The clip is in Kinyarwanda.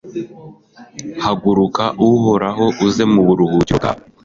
Haguruka Uhoraho uze mu buruhukiro bwawe